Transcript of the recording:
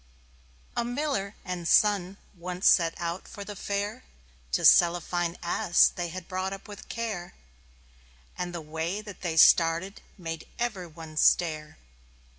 A Miller and Son once set out for the fair, To sell a fine ass they had brought up with care; And the way that they started made everyone stare.